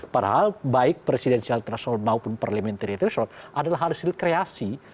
padahal baik presidensial threshold maupun parliamentary threshold adalah hasil kreasi